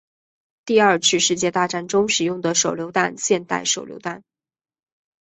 第二次世界大战中使用的手榴弹现代手榴弹